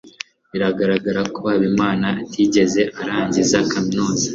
biragaragara ko habimana atigeze arangiza kaminuza